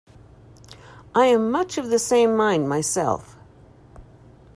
I am much of the same mind myself.